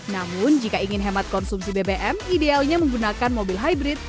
namun jika ingin hemat konsumsi bbm idealnya menggunakan mobil hybrid